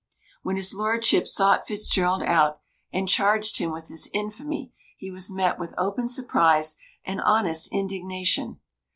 When his lordship sought Fitzgerald out, and charged him with his infamy, he was met with open surprise and honest indignation.